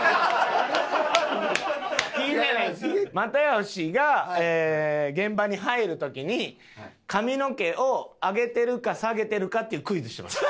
又吉が現場に入る時に髪の毛を上げてるか下げてるかっていうクイズしてました。